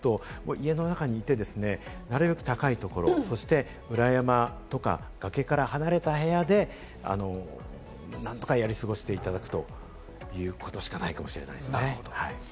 家の中にいてですね、なるべく高いところ、そして裏山、崖から離れた部屋で何とかやり過ごしていただくということしかないかもしれないですね。